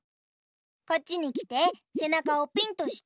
こっちにきてせなかをピンとして！